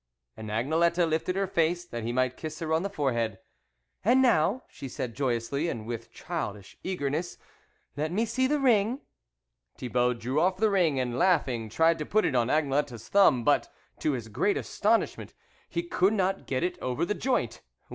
And Agnelette lifted her face that he might kiss her on the forehead. "And now" she said joyously, and with childish eagerness, " let me see the ring." Thibault drew off the ring, and laugh ing, tried to put it on Agnelette's thumb ; but, to his great astonishment, he could not get it over the joint.